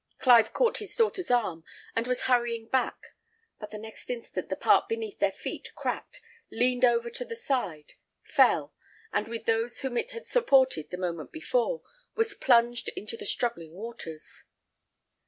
Clive caught his daughter's arm, and was hurrying back; but the next instant the part beneath their feet cracked, leaned over to the side, fell, and with those whom it had supported the moment before, was plunged into the struggling waters.